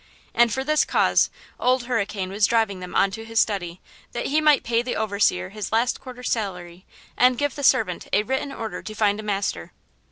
And for this cause Old Hurricane was driving them on to his study, that he might pay the overseer his last quarter's salary and give the servant a written order to find a master.